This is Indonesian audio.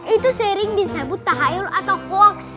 itu sering disebut tahayul atau hoaks